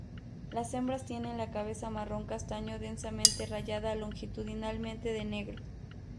Las hembras tienen la cabeza marrón castaño densamente rayada longitudinalmente de negro.